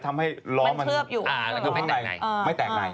ไม่แตกใน